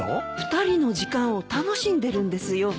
２人の時間を楽しんでるんですよ。